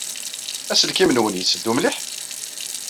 Aselkim-nwen yetteddu mliḥ?